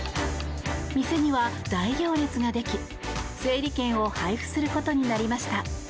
店には大行列ができ整理券を配布することになりました。